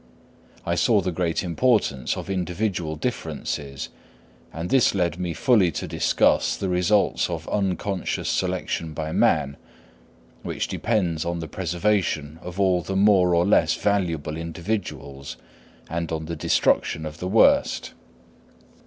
I saw the great importance of individual differences, and this led me fully to discuss the results of unconscious selection by man, which depends on the preservation of all the more or less valuable individuals, and on the destruction of the worst.